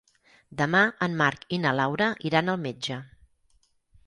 Demà en Marc i na Laura iran al metge.